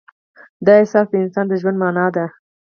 دا احساس د انسان د ژوند معنی ده.